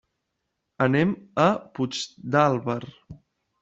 Anem a Puigdàlber.